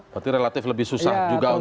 berarti relatif lebih susah juga untuk